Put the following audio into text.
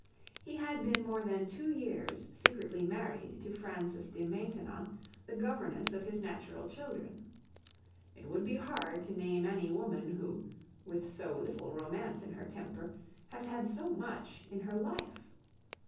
He had been more than two years secretly married to Frances de Maintenon, the governess of his natural children. It would be hard to name any woman who, with so little romance in her temper, has had so much in her life.